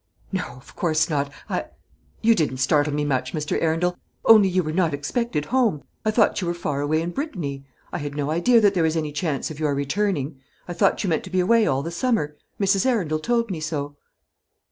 "No, of course not. I you didn't startle me much, Mr. Arundel; only you were not expected home. I thought you were far away in Brittany. I had no idea that there was any chance of your returning. I thought you meant to be away all the summer Mrs. Arundel told me so."